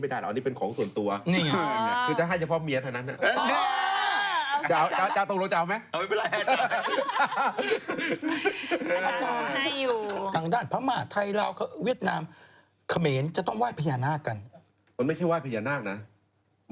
จะขออันนี้ของคุณนี้นะครับ